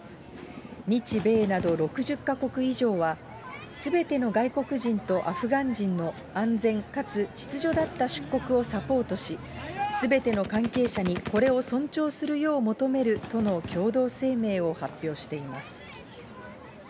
日米など６０か国以上は、すべての外国人とアフガン人の安全かつ秩序立った出国をサポートし、すべての関係者にこれを尊重するよう求めるとの共同声明を発表しています。